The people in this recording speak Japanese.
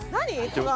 何？